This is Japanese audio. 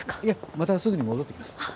いえまたすぐに戻ってきます